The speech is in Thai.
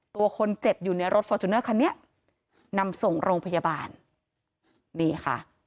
ตัวคนเจ็บอยู่ในรถฟอร์จูเนอร์คันนี้นำส่งโรงพยาบาลนี่ค่ะ